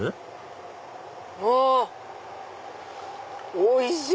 おいしい！